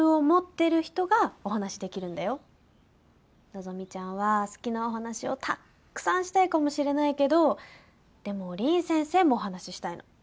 希ちゃんは好きなお話をたっくさんしたいかもしれないけどでも凛先生もお話したいの。